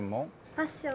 ファッションの。